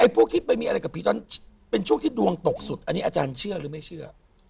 พวกที่จะหมายอะไรให้พี่ขนาดเป็นช่วกดวงตกสุดอันเนี้ยอาจารย์เชื่อหรือไม่เชื่อ